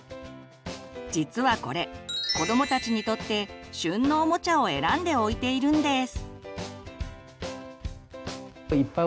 実はこれ子どもたちにとって「旬のおもちゃ」を選んで置いているんです。